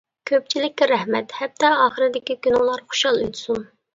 كۆپچىلىككە رەھمەت، ھەپتە ئاخىرىدىكى كۈنۈڭلار خۇشال ئۆتسۇن!